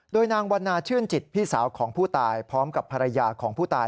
โดยนางวันนาชื่นจิตพี่สาวของผู้ตายพร้อมกับภรรยาของผู้ตาย